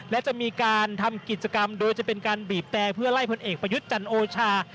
และจะมีการทำกิจกรรมโดยจะเป็นการบีบแต่เพื่อไล่พลเอกประยุทธ์จันโอชา